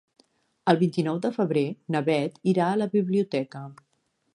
El vint-i-nou de febrer na Bet irà a la biblioteca.